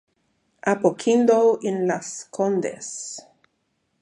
Apoquindo in Las Condes.